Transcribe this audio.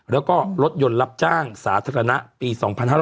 แล้วก็รถยนต์รับจ้างสาธารณะปี๒๕๕๙